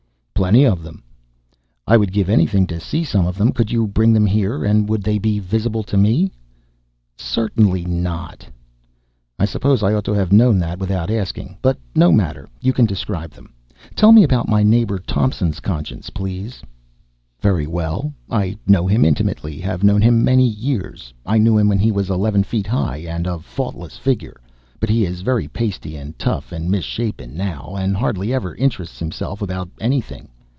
"Plenty of them." "I would give anything to see some of them! Could you bring them here? And would they be visible to me?" "Certainly not." "I suppose I ought to have known that without asking. But no matter, you can describe them. Tell me about my neighbor Thompson's conscience, please." "Very well. I know him intimately; have known him many years. I knew him when he was eleven feet high and of a faultless figure. But he is very pasty and tough and misshapen now, and hardly ever interests himself about anything.